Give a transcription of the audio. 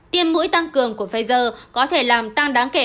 tiêm mũi tăng cường của pfizer có thể làm tăng đáng kể